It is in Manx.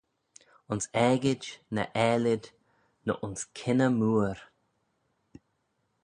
Ayns aegid, ny aalid, ny ayns kynney mooar?